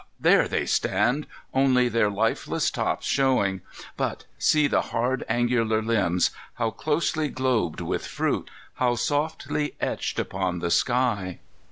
Ah, there they stand, only their leafless tops showing; but see the hard angular limbs, how closely globed with fruit! how softly etched upon the sky!